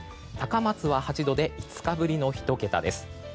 高松は８度で５日ぶりの１桁です。